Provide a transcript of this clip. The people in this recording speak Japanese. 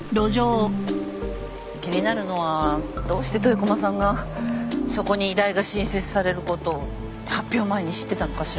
気になるのはどうして豊駒さんがそこに医大が新設されることを発表前に知ってたのかしら？